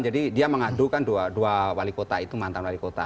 jadi dia mengadukan dua wali kota itu mantan wali kota